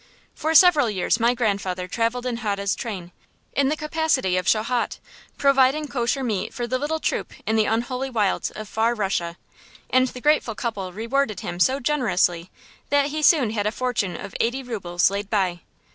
For several years my grandfather travelled in Hode's train, in the capacity of shohat providing kosher meat for the little troup in the unholy wilds of "far Russia"; and the grateful couple rewarded him so generously that he soon had a fortune of eighty rubles laid by.